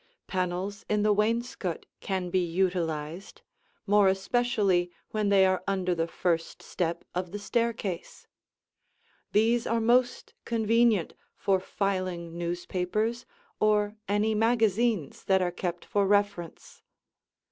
Panels in the wainscot can be utilized, more especially when they are under the first step of the staircase. These are most convenient for filing newspapers or any magazines that are kept for reference.